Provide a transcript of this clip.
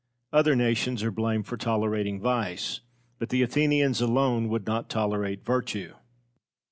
Other nations are blamed for tolerating vice, but the Athenians alone would not tolerate virtue.